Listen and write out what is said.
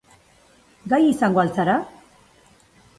Gai izango al zara?